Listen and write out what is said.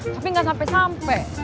tapi gak sampe sampe